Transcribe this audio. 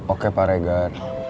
oke pak regan